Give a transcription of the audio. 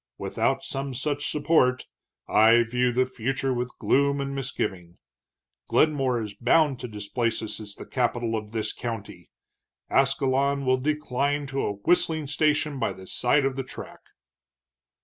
Without some such support, I view the future with gloom and misgiving. Glenmore is bound to displace us as the capital of this county; Ascalon will decline to a whistling station by the side of the track."